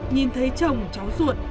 nhìn thấy chồng cháu ruột